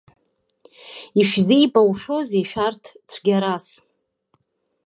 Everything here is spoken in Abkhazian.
Ишәзеибоухьоузеи шәарҭ цәгьарас.